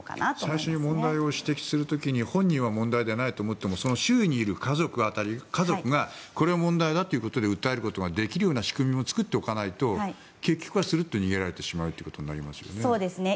最初に問題を指摘する時に本人は問題でないと思ってもその周囲にいる家族がこれは問題だということで訴えることができるような仕組みも作っておかないと結局は、するっと逃げられてしまいますよね。